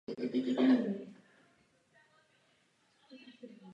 Už v té době ho hodně zajímala muzika.